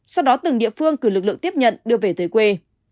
sau đó từng địa phương cử lực lượng tiếp nhận đưa về tới quê